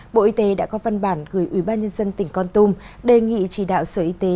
bộ y tế đã có văn bản gửi ủy ban nhân dân tỉnh con tum đề nghị chỉ đạo sở y tế